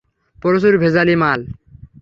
প্রচুর ভেজালি মাল।